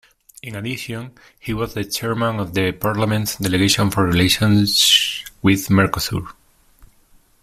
In addition, he was the chairman of the parliament's delegation for relations with Mercosur.